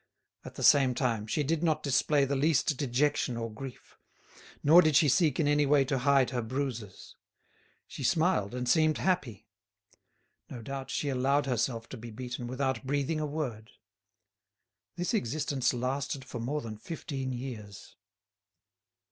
At the same time, she did not display the least dejection or grief, nor did she seek in any way to hide her bruises. She smiled, and seemed happy. No doubt she allowed herself to be beaten without breathing a word. This existence lasted for more than fifteen years.